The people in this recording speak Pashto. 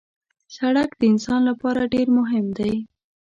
سړک د انسان لپاره ډېر مهم دی.